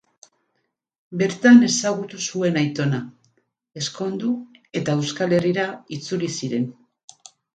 Bertan ezagutu zuen aitona, ezkondu, eta Euskal Herrira itzuli ziren.